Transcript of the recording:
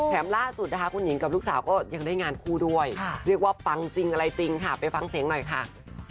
ล่าสุดนะคะคุณหญิงกับลูกสาวก็ยังได้งานคู่ด้วยเรียกว่าปังจริงอะไรจริงค่ะไปฟังเสียงหน่อยค่ะ